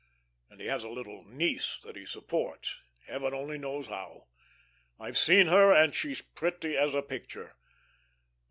And he has a little niece that he supports, heaven only knows how. I've seen her, and she's pretty as a picture.